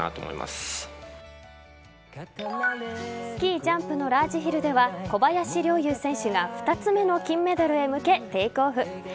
スキージャンプのラージヒルでは小林陵侑選手が２つ目の金メダルへ向けテイクオフ。